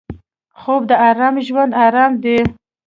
خوب د ارام ژوند دوام دی